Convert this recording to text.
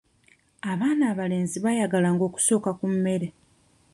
Abaana abalenzi baayagalanga okusooka ku mmere.